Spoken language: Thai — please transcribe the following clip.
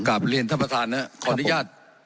กลับเรียนท่านประธานนะครับขออนุญาต